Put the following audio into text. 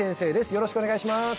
よろしくお願いします